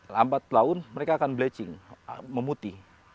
lampat pelaut mereka akan blecing memuti